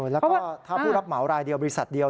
แล้วก็ถ้าผู้รับเหมารายเดียวบริษัทเดียว